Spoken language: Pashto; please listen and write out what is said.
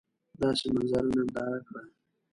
داسي منظره ننداره کړه !